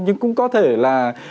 nhưng cũng có thể là